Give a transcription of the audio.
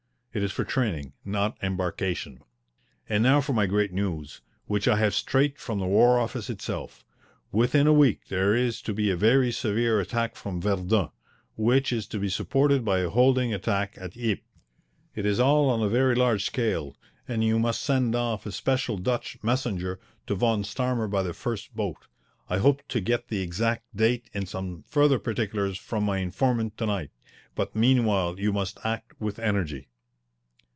It is for training, not embarkation. And now for my great news, which I have straight from the War Office itself. Within a week there is to be a very severe attack from Verdun, which is to be supported by a holding attack at Ypres. It is all on a very large scale, and you must send off a special Dutch messenger to Von Starmer by the first boat. I hope to get the exact date and some further particulars from my informant to night, but meanwhile you must act with energy.